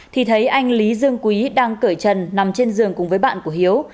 thì thấy anh lý dương quý đang cởi trần nằm trên giường cùng với bạn của hiếu